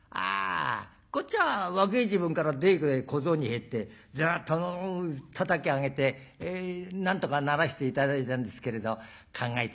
こっちは若え時分から大工へ小僧に入ってずっとたたき上げてなんとかならして頂いたんですけれど考えて